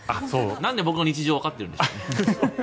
なんで僕の日常わかってるんですかね。